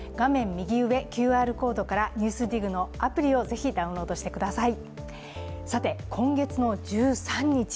右上、ＱＲコードから「ＮＥＷＳＤＩＧ」のアプリをぜひダウンロードしてください。